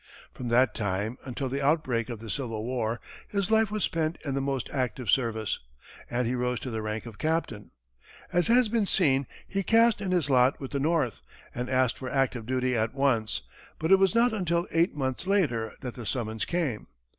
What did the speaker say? From that time until the outbreak of the Civil War, his life was spent in the most active service, and he rose to the rank of captain. As has been seen, he cast in his lot with the North, and asked for active duty at once, but it was not until eight months later that the summons came.